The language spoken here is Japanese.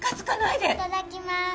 いただきます。